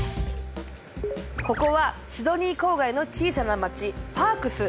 ここはシドニー郊外の小さな町パークス。